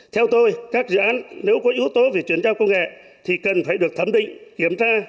theo tôi các dự án nếu có yếu tố về chuyển giao công nghệ thì cần phải được thẩm định kiểm tra